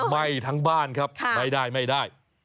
ไม่ทั้งบ้านครับไม่ได้